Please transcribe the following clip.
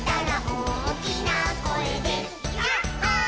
「おおきなこえでヤッホー」